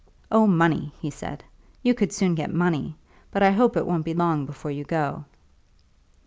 "Oh, money!" he said. "You could soon get money. But I hope it won't be long before you go."